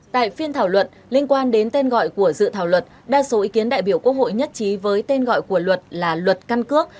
tại phiên thảo luận liên quan đến tên gọi của dự thảo luật đa số ý kiến đại biểu quốc hội nhất trí với tên gọi của luật là luật căn cước